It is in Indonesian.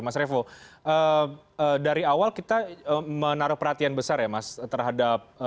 mas revo dari awal kita menaruh perhatian besar ya mas terhadap